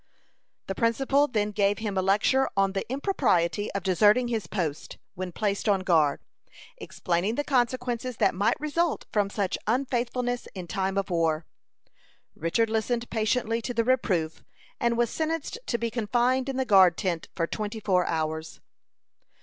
The principal then gave him a lecture on the impropriety of deserting his post, when placed on guard, explaining the consequences that might result from such unfaithfulness in time of war. Richard listened patiently to the reproof, and was sentenced to be confined in the guard tent for twenty four hours.